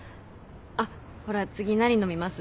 あっほら次何飲みます？